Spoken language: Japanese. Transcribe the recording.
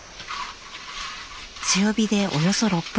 強火でおよそ６分間。